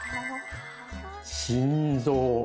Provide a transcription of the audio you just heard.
心臓。